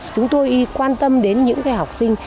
chúng tôi quan tâm đến những học sinh